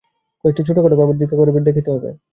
কয়েকটা ছোটখাটো ব্যাপার পরীক্ষা করে দেখতে হবে।